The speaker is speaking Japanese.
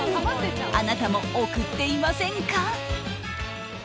あなたも送っていませんか？